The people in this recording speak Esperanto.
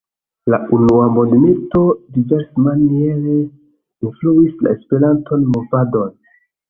La unua mondmilito diversmaniere influis la Esperanton-movadon.